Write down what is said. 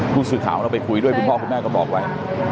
ผู้สื่อข่าวเราไปคุยด้วยคุณพ่อคุณแม่ก็บอกไว้